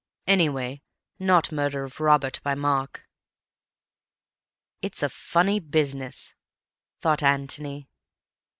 Anyway not murder of Robert by Mark. "It's a funny business," thought Antony.